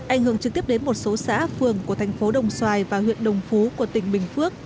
ảnh hưởng trực tiếp đến một số xã phường của thành phố đồng xoài và huyện đồng phú của tỉnh bình phước